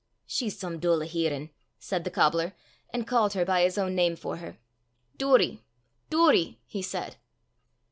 "She's some dull o' hearin'," said the cobbler, and called her by his own name for her. "Doory! Doory!" he said.